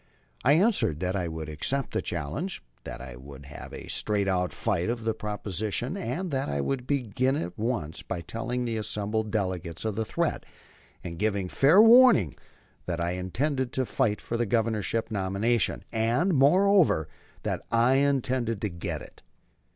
I answered that I would accept the challenge, that we would have a straight out fight on the proposition, and that I would begin it at once by telling the assembled delegates of the threat, and giving fair warning that I intended to fight for the Governorship nomination, and, moreover, that I intended to get it.